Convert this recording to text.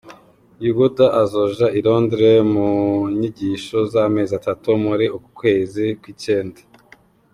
Yuguda azoja i Londres mu nyigisho zamezi atatu muri uku kwezi kw'icenda.